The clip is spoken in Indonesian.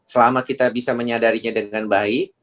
selama kita bisa menyadarinya dengan baik